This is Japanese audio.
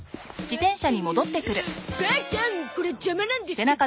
母ちゃんこれ邪魔なんですけど。